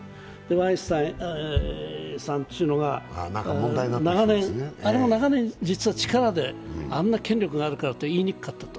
ワインスタインさんっていうのがあれも長年、実は力で、あんな権力があるからと言いにくかったと。